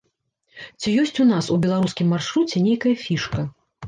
Ці ёсць у нас у беларускім маршруце нейкая фішка?